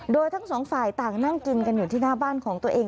โดยทั้งสองฝ่ายต่างนั่งกินกันอยู่ที่หน้าบ้านของตัวเอง